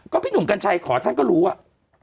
พี่หนุ่มกัญชัยขอท่านก็รู้ว่า